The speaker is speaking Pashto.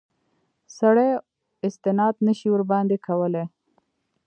سړی استناد نه شي ورباندې کولای.